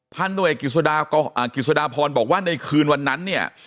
พันธ์ตำรวจเอกกฤษฎาพรบอกว่าในคืนวันนั้นเนี่ย